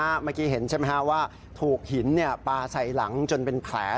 เมื่อกี้เห็นใช่ไหมฮะว่าถูกหินปลาใส่หลังจนเป็นแผล